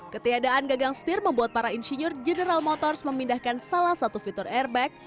ketiadaan gagang setir membuat para insinyur general motors memindahkan salah satu fitur airbag